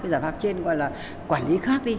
giải pháp trên gọi là quản lý khác đi